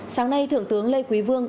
sáng nay thượng tướng lê quý vương